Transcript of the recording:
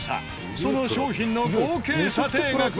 その商品の合計査定額は。